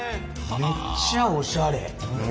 めっちゃおしゃれ。